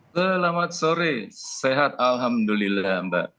selamat sore sehat alhamdulillah mbak